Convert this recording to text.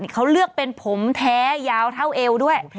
เขาเลือกเป็นผมแท้ยาวเท่าเอวด้วย